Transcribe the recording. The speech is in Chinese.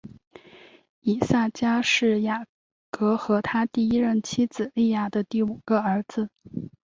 以萨迦是雅各和他第一任妻子利亚的第五个儿子。